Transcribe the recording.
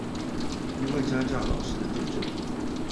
一位家教老師的見證